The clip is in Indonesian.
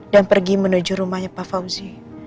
dan pergi menuju rumahnya pak fauzi